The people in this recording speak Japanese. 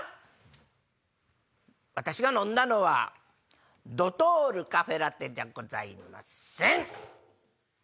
私が飲んだのはドトールカフェラテじゃございません！